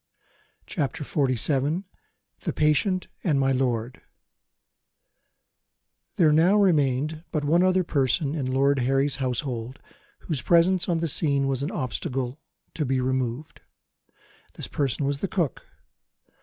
CHAPTER XLVII THE PATIENT AND MY LORD THERE now remained but one other person in Lord Harry's household whose presence on the scene was an obstacle to be removed. This person was the cook.